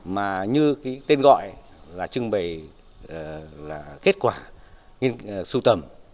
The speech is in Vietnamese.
mà như cái tên gọi là trưng bày là kết quả nghiên cứu sưu tầm